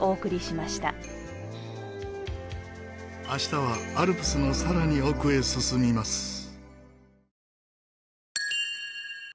明日はアルプスのさらに奥へ進みます。